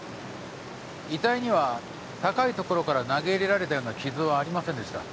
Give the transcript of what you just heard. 遺体には高い所から投げ入れられたような傷はありませんでした。